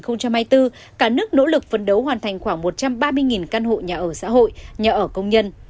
năm hai nghìn hai mươi bốn cả nước nỗ lực phấn đấu hoàn thành khoảng một trăm ba mươi căn hộ nhà ở xã hội nhà ở công nhân